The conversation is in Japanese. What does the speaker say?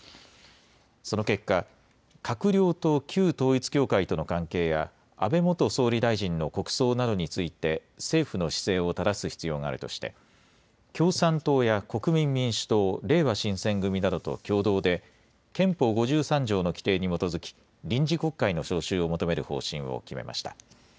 その結果、閣僚と旧統一教会との関係や、安倍元総理大臣の国葬などについて、政府の姿勢をただす必要があるとして、共産党や国民民主党、れいわ新選組などと共同で、憲法５３条の規定に基づき、臨時国会の召集を求める方針を決めました。